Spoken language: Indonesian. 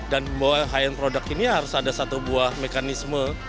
dan high end product ini harus ada satu buah mekanisme